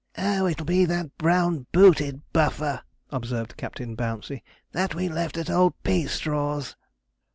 'Oh, it'll be that brown booted buffer,' observed Captain Bouncey, 'that we left at old Peastraw's.'